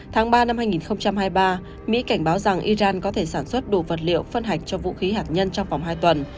tháng ba năm hai nghìn hai mươi ba mỹ cảnh báo rằng iran có thể sản xuất đồ vật liệu phân hạch cho vũ khí hạt nhân trong vòng hai tuần